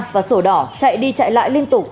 và sổ đỏ chạy đi chạy lại liên tục